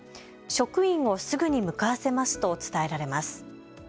職員をすぐに向かわせますと伝えられます。